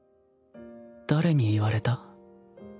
誰に言われた？